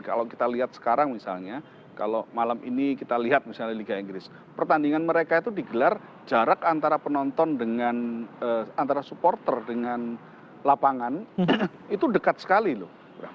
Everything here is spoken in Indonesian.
kalau kita lihat sekarang misalnya kalau malam ini kita lihat misalnya liga inggris pertandingan mereka itu digelar jarak antara penonton dengan antara supporter dengan lapangan itu dekat sekali loh